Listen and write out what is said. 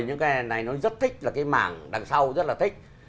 những cái này nó rất thích là cái mảng đằng sau rất là thích